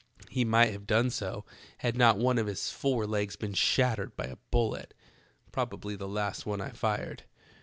He might have done so had not one of his fore legs been shattered by a bullet, probably the last one I fired.